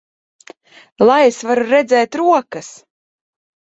Lai es varu redzēt rokas!